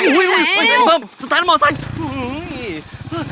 ฮื้มมมมมสตาร์ทเตียงอีกแล้ว